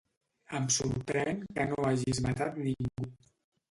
Em sorprèn que no hagis matat ningú.